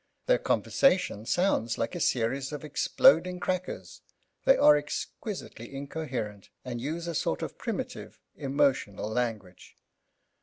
Their conversation sounds like a series of exploding crackers; they are exquisitely incoherent and use a sort of primitive, emotional language.